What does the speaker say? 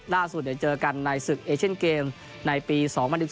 ล่าสุดเจอกันในศึกเอเชียนเกมในปี๒๐๑๔